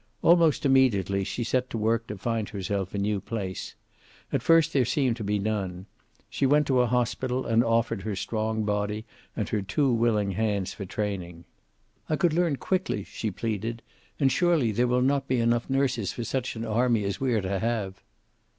Almost immediately she set to work to find herself a new place. At first there seemed to be none. She went to a hospital, and offered her strong body and her two willing hands for training. "I could learn quickly," she pleaded, "and surely there will not be enough nurses for such an army as we are to have."